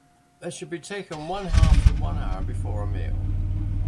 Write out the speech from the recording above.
They should be taken one half to one hour before a meal.